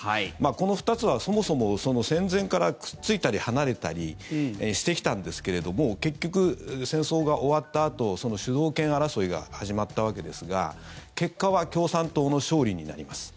この２つはそもそも戦前からくっついたり離れたりしてきたんですけれども結局、戦争が終わったあと主導権争いが始まったわけですが結果は共産党の勝利になります。